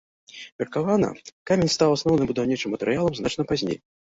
Меркавана, камень стаў асноўным будаўнічым матэрыялам значна пазней.